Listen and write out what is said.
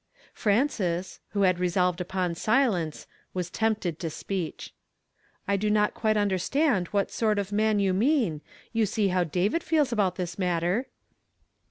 Frances, who had resolved upon silence, was tempted to speech. "I do not quite undei stand what sort of man you mean. You see how David feels about this matter."